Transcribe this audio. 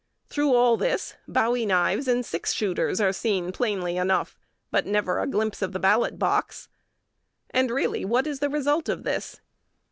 Through all this, bowie knives and six shooters are seen plainly enough, but never a glimpse of the ballot box. And really, what is the result of this?